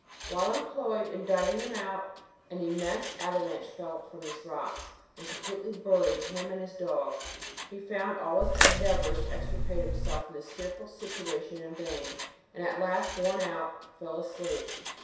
While employed in driving them out, an immense avalanche fell from these rocks, and completely buried him and his dog. He found all his endeavours to extricate himself from this fearful situation in vain; and at last, worn out, fell asleep.